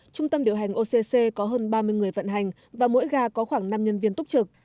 trung tâm điều hành occ có hơn ba mươi người vận hành và mỗi ga có khoảng năm nhân viên túc trực